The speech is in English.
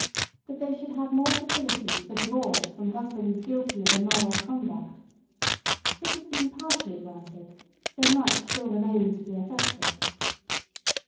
That they should have more facilities for divorce from husbands guilty of immoral conduct. This has been partially granted, though much still remains to be effected.